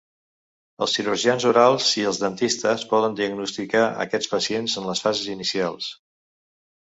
Els cirurgians orals i els dentistes poden diagnosticar aquests pacients en les fases inicials.